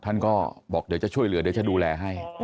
ท่านก็บอกเดี๋ยวจะช่วยเหลือเดี๋ยวจะดูแลให้